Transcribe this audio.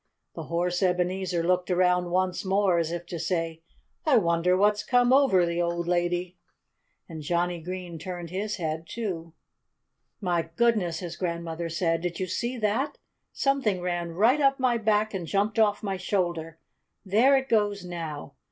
The horse Ebenezer looked around once more, as if to say, "I wonder what's come over the old lady." And Johnnie Green turned his head, too. "My goodness!" his grandmother said. "Did you see that? Something ran right up my back and jumped off my shoulder. There it goes now!"